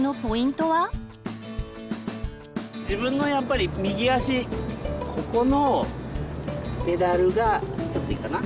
自分のやっぱり右足ここのペダルがちょっといいかな？